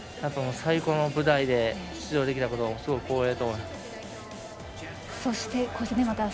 最高の舞台で出場できたことをすごく光栄と思っています。